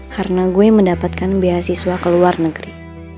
karena gue mendapatkan beasiswa ke luar negeri